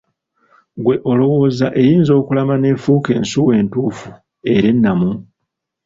Ggwe olowooza eyiinza okulama n’efuuka ensuuwa entuufu era ennamu?